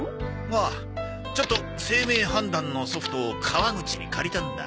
ああちょっと姓名判断のソフトを川口に借りたんだ。